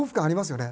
あります